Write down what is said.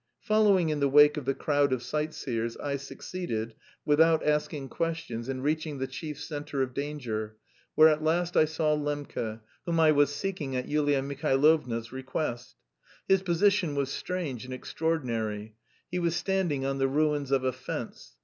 Following in the wake of the crowd of sightseers, I succeeded, without asking questions, in reaching the chief centre of danger, where at last I saw Lembke, whom I was seeking at Yulia Mihailovna's request. His position was strange and extraordinary. He was standing on the ruins of a fence.